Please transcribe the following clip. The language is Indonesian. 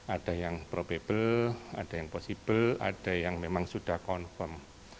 ada yang probable ada yang possible ada yang memang sudah confirm